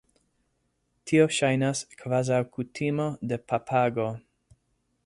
Tio ŝajnas kvazaŭ kutimo de papago.